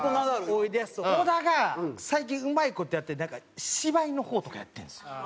おいでやす小田が最近うまい事やってなんか芝居の方とかやってるんですよ。